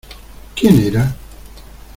¿ quién era?